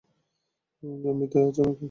জন, ভিতরে আছ নাকি?